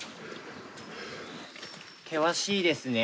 険しいですね。